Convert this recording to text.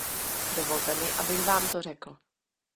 Dovolte mi, abych vám to řekl.